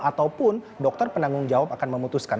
ataupun dokter penanggung jawab akan memutuskan